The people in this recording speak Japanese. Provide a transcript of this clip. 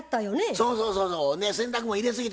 そうそうそうそう。